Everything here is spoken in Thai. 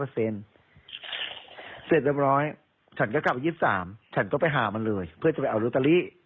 เสร็จเรียบร้อยฉันก็กลับ๒๓ฉันก็ไปหามันเลยเพื่อจะไปเอาลอตเตอรี่